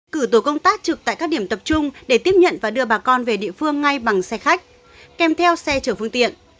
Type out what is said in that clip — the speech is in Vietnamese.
cử tổ công tác trực tại các điểm tập trung để tiếp nhận và đưa bà con về địa phương ngay bằng xe khách kèm theo xe chở phương tiện